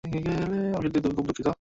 আমি সত্যিই খুব দুঃখিত।